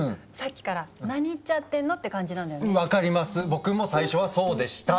僕も最初はそうでした。